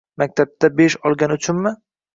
Maktabda besh olgani uchunchi?